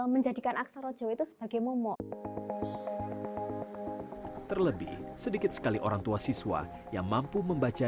menjadikan aksara jawa itu sebagai momok terlebih sedikit sekali orang tua siswa yang mampu membaca